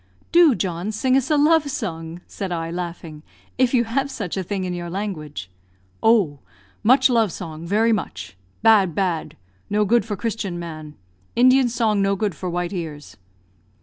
"Do, John, sing us a love song," said I, laughing, "if you have such a thing in your language." "Oh! much love song very much bad bad no good for Christian man. Indian song no good for white ears."